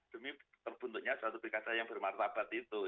demi terbentuknya suatu pilkada yang bermartabat itu